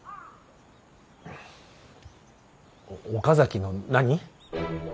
岡崎の何？